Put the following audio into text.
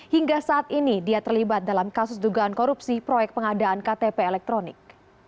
hingga saat ini dia terlibat dalam kasus dugaan korupsi proyek pengadaan ktp elektronik